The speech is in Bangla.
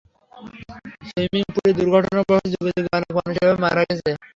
সুইমিং পুলে দূর্ঘটনাবসতঃ যুগে যুগে অনেক মানুষ এভাবে মারা গেছে।